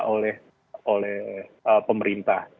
tidak oleh pemerintah